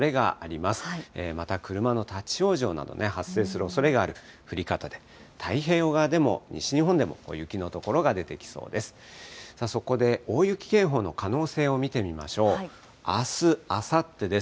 また車の立往生など発生するおそれがある降り方で、太平洋側でも、西日本でも雪の所が出てきそうです。